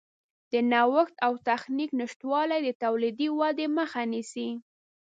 د نوښت او تخنیک نشتوالی د تولیدي ودې مخه نیسي.